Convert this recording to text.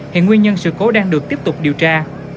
hiện nguyên nhân sự cố đang được tiếp tục điều tra